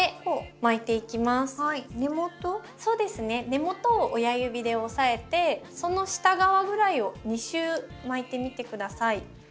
根元を親指で押さえてその下側ぐらいを２周巻いてみて下さい。